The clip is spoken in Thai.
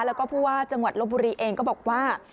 แล้วก็ผู้ว่าจังหวัดลบบุรีเองก็บอกว่า